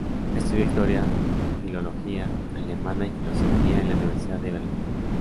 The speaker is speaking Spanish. Estudió Historia, Filología Alemana y Filosofía en la Universidad de Berlín.